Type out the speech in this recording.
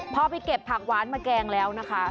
พอไปเก็บผักหวานมาแกงแล้วนะคะ